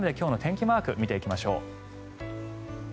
改めて今日の天気マーク見ていきましょう。